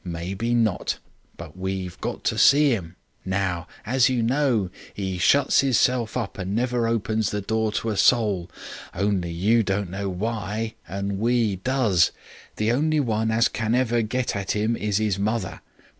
Maybe not. But we've got to see 'im. Now as you know, 'e shuts 'isself up and never opens the door to a soul; only you don't know why and we does. The only one as can ever get at 'im is 'is mother.